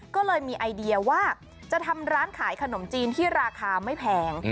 ก็เลยมีไอเดียว่าจะทำร้านขายขนมจีนที่ราคาไม่แพง